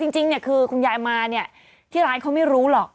จริงคือคุณยายมาเนี่ยที่ร้านเขาไม่รู้หรอก